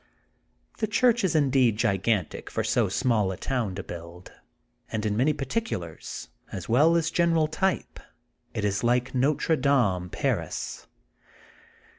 The chnrch is indeed gigantic for so small a town to build, and in many particulars as well as general type it is like Notre Dame, Paris.